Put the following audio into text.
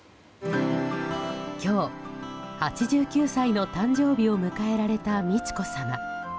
今日、８９歳の誕生日を迎えられた美智子さま。